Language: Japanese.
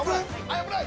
◆危ない！